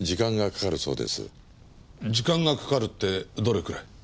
時間がかかるってどれぐらい？